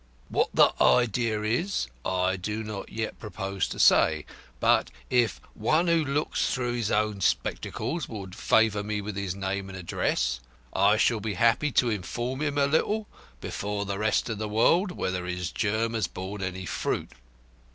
What that idea is I do not yet propose to say, but if 'One who looks through his own spectacles' will favour me with his name and address I shall be happy to inform him a little before the rest of the world whether his germ has borne any fruit.